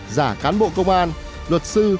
giả cán bộ công an luật sư